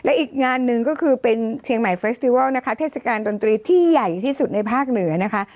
อีกงานหนึ่งก็คือเป็นเชียงใหม่เฟสติวัลนะคะเทศกาลดนตรีที่ใหญ่ที่สุดในภาคเหนือนะคะ